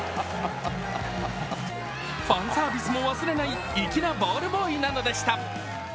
ファンサービスも忘れない粋なボールボーイなのでした。